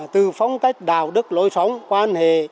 từ phong cách đạo đức lối sống quan hệ